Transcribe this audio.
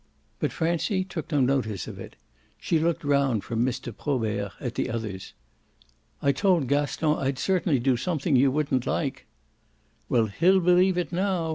But Francie took no notice of it; she looked round from Mr. Probert at the others. "I told Gaston I'd certainly do something you wouldn't like." "Well, he'll believe it now!"